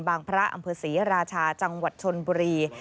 พระอำเภอศรีราชาจังหวัดชนบุรี